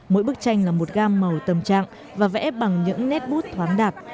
mỗi bức tranh là một gam màu tâm trạng và vẽ bằng những nét bút thoáng đạt